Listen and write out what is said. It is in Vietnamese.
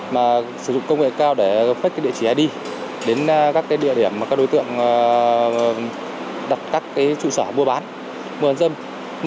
mà sử dụng công nghệ cao để phách cái địa chỉ id đến các địa điểm mà các đối tượng đặt các trụ sở mua bán mua bán dâm